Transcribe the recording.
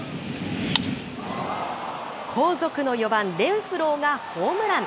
後続の４番レンフローがホームラン。